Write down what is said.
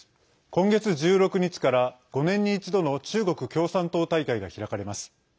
今月１６日から５年に一度の中国共産党大会が開かれます。